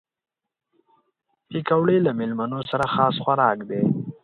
پکورې له مېلمنو سره خاص خوراک دي